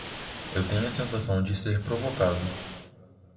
Eu tenho a sensação de ser provocado